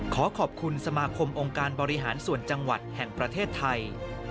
ขอขอบคุณสมาคมองค์การบริหารส่วนจังหวัดแห่งประเทศไทย